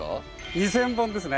２，０００本ですね。